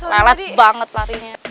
melet banget larinya